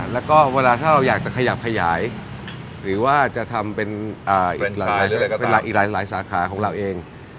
แล้วก็เวลาถ้าเราอยากจะขยับขยายหรือว่าจะทำเป็นอีกหลายสาขาของเราเอง